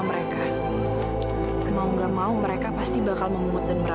sampai jumpa di video selanjutnya